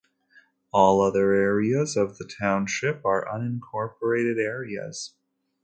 All other areas of the township are unincorporated areas.